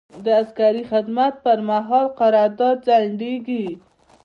د عسکري خدمت پر مهال قرارداد ځنډیږي.